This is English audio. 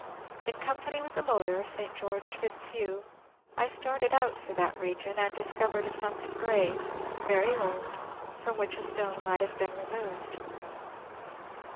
In company with a lawyer, St Greorge Fitzhugh, I started out for that region and discovered a sunken grave, very old, from which a stone might have been removed.